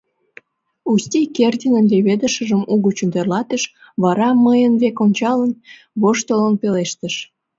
Усти Кердинын леведышыжым угычын тӧрлатыш, вара, мыйын век ончалын, воштылын пелештыш: